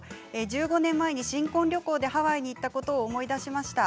１５年前に新婚旅行でハワイに行ったことを思い出しました。